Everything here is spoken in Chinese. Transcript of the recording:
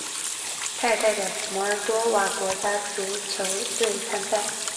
他也代表摩尔多瓦国家足球队参赛。